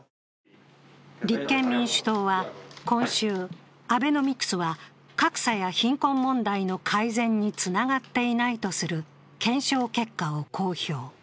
立憲民主党は今週、アベノミクスは格差や貧困問題の改善につながっていないとする検証結果を公表。